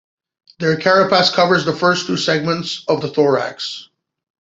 Their carapace covers the first two segments of the thorax.